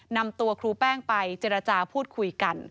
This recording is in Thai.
นำตัวครูแป้งไปเจรจาพูดคุยกัน